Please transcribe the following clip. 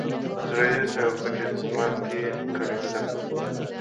زړه یوسې او پټ یې په دسمال کي کړې بدل؛